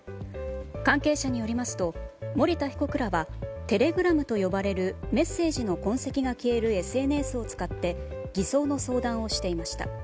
関係者によりますと森田被告らはテレグラムと呼ばれるメッセージの痕跡が消えるＳＮＳを使って偽装の相談をしていました。